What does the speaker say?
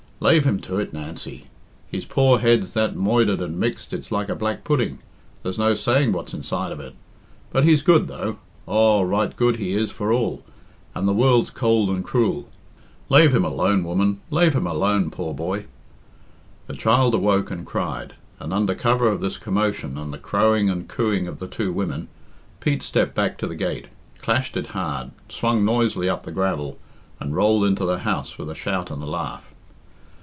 "Lave him to it, Nancy. His poor head's that moidered and mixed it's like a black pudding there's no saying what's inside of it. But he's good, though; aw, right good he is for all, and the world's cold and cruel. Lave him alone, woman; lave him alone, poor boy." The child awoke and cried, and, under cover of this commotion and the crowing and cooing of the two women, Pete stepped back to the gate, clashed it hard, swung noisily up the gravel, and rolled into the house with a shout and a laugh.